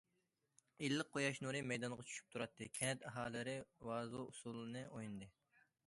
ئىللىق قۇياش نۇرى مەيدانغا چۈشۈپ تۇراتتى، كەنت ئاھالىلىرى ۋازۇ ئۇسسۇلىنى ئوينىدى.